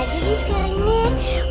jadi sekarang nih